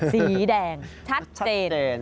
สีแดงชัดเจน